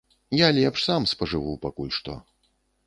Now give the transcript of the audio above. Я лепш сам спажыву пакуль што.